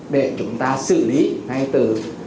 để chúng ta xử lý hay từ